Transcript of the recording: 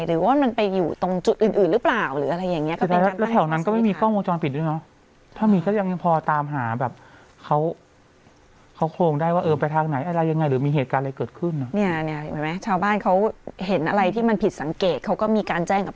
หรือว่ามันไปอยู่ตรงจุดอื่นอื่นหรือเปล่าหรืออะไรอย่างนี้